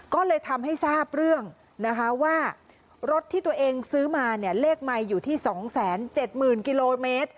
ก็เลยทำให้ทราบเรื่องนะคะว่ารถที่ตัวเองซื้อมาเนี่ยเลขไมค์อยู่ที่๒๗๐๐กิโลเมตร